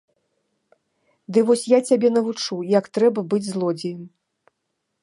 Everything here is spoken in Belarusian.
Ды вось я цябе навучу, як трэба быць злодзеем!